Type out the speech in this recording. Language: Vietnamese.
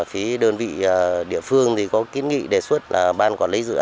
phía đơn vị địa phương thì có kết nghị đề xuất là ban quản lý dự án và chủ đầu tư